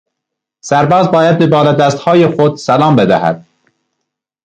سرباز باید به بالادستهای خود سلام بدهد.